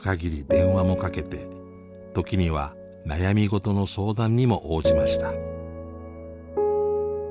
電話もかけて時には悩み事の相談にも応じました。